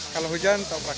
kalau hujan toprak